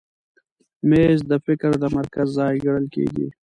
مېز د فکر د مرکز ځای ګڼل کېږي.